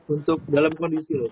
untuk dalam kondisi loh